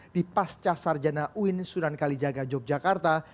di pasca sarjana uin sunan kalijaga yogyakarta